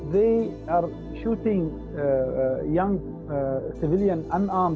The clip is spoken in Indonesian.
mereka menembak pemain kecil